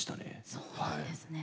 そうなんですね。